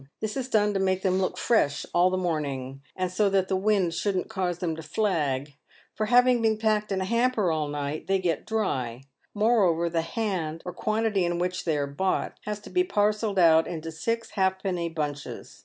This is done to make them look fresh all the morning, and so that the wind shouldn't cause them to " flag," for having been packed in a hamper all night they get dry; moreover, the " hand," or quantity in which they are bought, has to be parcelled out into six halfpenny bunches.